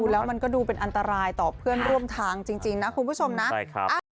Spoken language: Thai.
แล้วมันก็ดูเป็นอันตรายต่อเพื่อนร่วมทางจริงนะคุณผู้ชมนะใช่ครับ